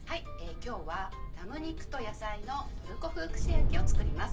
今日は「ラム肉と野菜のトルコ風串焼き」を作ります。